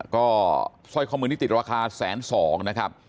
ก็สร้อยข้อมือในติดราคา๑๐๒๐๐๐บาทนะครับ